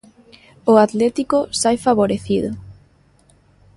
O Atlético sae favorecido.